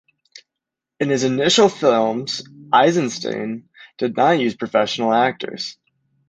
In his initial films, Eisenstein did not use professional actors.